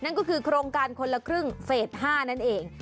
นั่นก็คือโครงการคนละครึ่งเฟส๕นั่นเอง